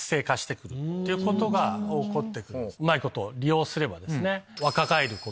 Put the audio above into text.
うまいこと利用すればですね。